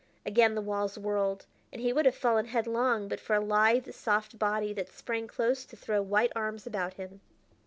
Again the walls whirled, and he would have fallen headlong but for a lithe, soft body that sprang close to throw white arms about him.